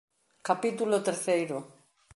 Capítulo terceiro.